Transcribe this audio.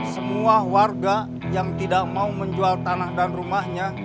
semua warga yang tidak mau menjual tanah dan rumahnya